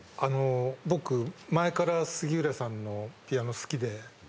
僕前から杉浦さんのピアノ好きで。